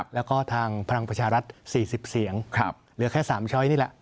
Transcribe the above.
แล้วก็ทางพลังประชารัฐ๔๐เสียงเหลือแค่๓ช้อยนี่แหละ